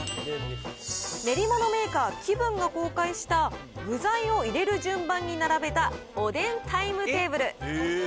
練り物メーカー、紀文の公開した、具材を入れる順番に並べた、おでんタイムテーブル。